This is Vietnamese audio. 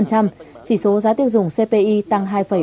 chỉ số giá tiêu dùng cpi tăng